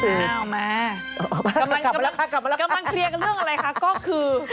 กำลังเกรียร์เรื่องอะไรคะก็คือ